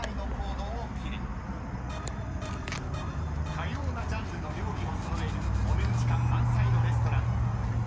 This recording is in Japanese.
［多様なジャンルの料理を揃えるお値打ち感満載のレストラン］